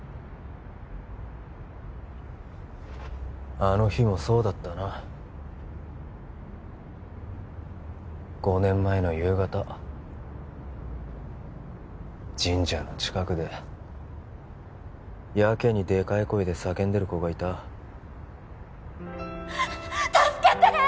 あの日もそうだったな５年前の夕方神社の近くでやけにデカい声で叫んでる子がいた助けて！